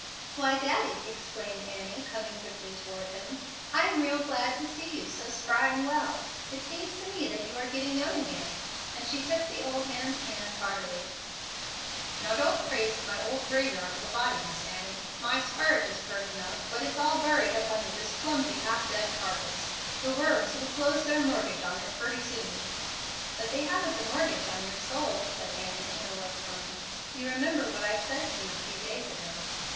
"Why, Daddy," exclaimed Annie, coming quickly toward him. "I am real glad to see you so spry and well. It seems to me that you are getting young again;" and she shook the old man's hand heartily. "Now don't praise my old graveyard of a body, Miss Annie. My sperit is pert enough, but it's all buried up in this old clumsy, half dead carcass. The worms will close their mortgage on it purty soon." "But they haven't a mortgage on your soul," said Annie, in a low tone. "You remember what I said to you a few days ago."